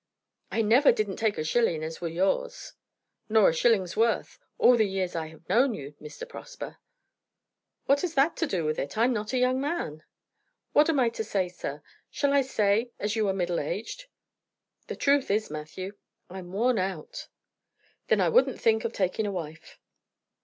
I never didn't take a shilling as were yours, nor a shilling's worth, all the years I have known you, Mr. Prosper." "What has that to do with it? I'm not a young man." "What am I to say, sir? Shall I say as you are middle aged?" "The truth is, Matthew, I'm worn out." "Then I wouldn't think of taking a wife."